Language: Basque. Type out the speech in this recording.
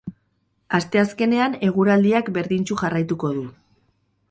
Asteazkenean eguraldiak berdintsu jarraituko du.